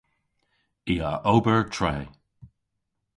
I a ober tre.